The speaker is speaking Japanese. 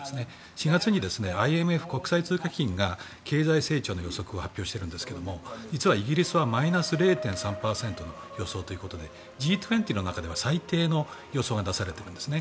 ４月にＩＭＦ・国際通貨基金が経済成長の予測を発表していますが実はイギリスはマイナス０．３％の予想ということでＧ２０の中では最低の予想が出されています。